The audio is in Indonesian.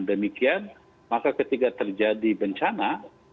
dan dengan demikian maka ketika terjadi bencana